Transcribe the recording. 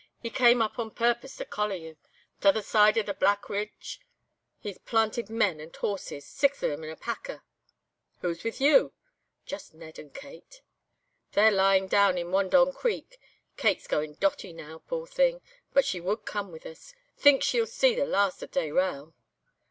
He came up on purpose to collar you. T'other side the black ridge, he's planted men and horses, six of 'em and a packer.' "'Who's with you?' "'Just Ned and Kate. They're lying down in Wandong Creek. Kate's goin' dotty now, poor thing, but she would come with us. Thinks she'll see the last of Dayrell.